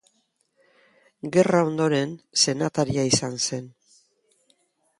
Gerra ondoren senataria izan zen.